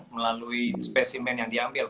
melalui spesimen yang diambil